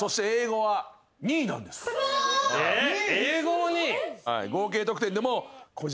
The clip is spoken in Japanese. えっ英語も２位？